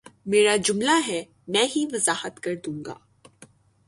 میرا جملہ ہے میں ہی وضاحت کر دوں گا